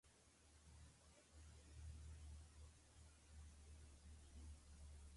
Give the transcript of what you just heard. La localidad mantendría su importancia como residencia de caza del zar.